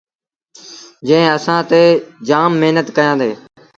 جݩهݩ اسآݩ تي جآم مهنت ڪيآندي۔